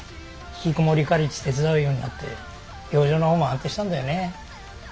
ひきこもりカレッジ手伝うようになって病状の方も安定したんだよね。